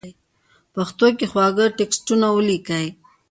پښتو کې خواږه ټېکسټونه وليکئ!!